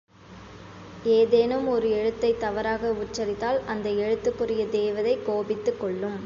ஏதேனும் ஒர் எழுத்தைத் தவறாக உச்சரித்தால் அந்த எழுத்துக்குரிய தேவதை கோபித்துக் கொள்ளும்.